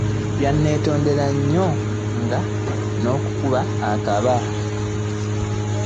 Yanneetondera nnyo nga n'okukaaba akaaba.